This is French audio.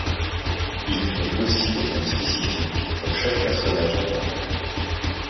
Ils créent aussi des thèmes spécifiques pour chaque personnage important.